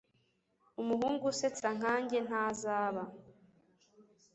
Umuhungu usetsa nkanjye ntazaba